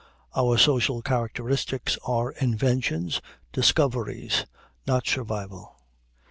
Our social characteristics are inventions, discoveries, not survival.